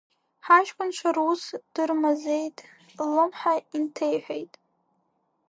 Ҳаҷкәынцәа рус дырмазеит, ллымҳа инҭеиҳәеит…